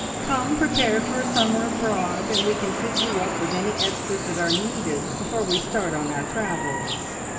"Come prepared for a summer abroad, and we can fit you up with any extras that are needed before we start on our travels.